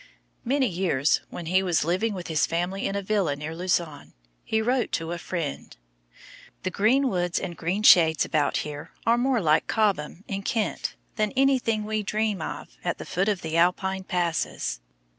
Many years after, when he was living with his family in a villa near Lausanne, he wrote to a friend: "The green woods and green shades about here are more like Cobham, in Kent, than anything we dream of at the foot of the Alpine passes."